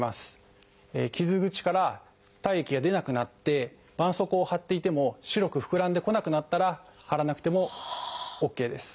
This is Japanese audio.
傷口から体液が出なくなってばんそうこうを貼っていても白く膨らんでこなくなったら貼らなくてもＯＫです。